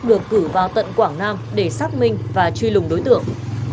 được cử vào tận quảng nam để xác minh và truy lùng đối tượng